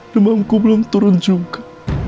demamku belum turun juga